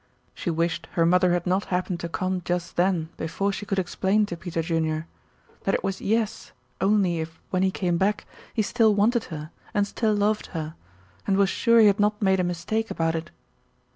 She wished her mother had not happened to come just then before she could explain to Peter Junior; that it was "yes" only if when he came back he still wanted her and still loved her, and was sure he had not made a mistake about it.